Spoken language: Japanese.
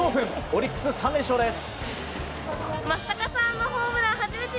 オリックス３連勝です。